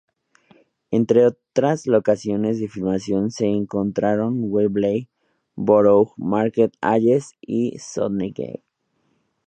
Entre otras locaciones de filmación se encontraron Wembley, Borough Market, Hayes y Stonehenge.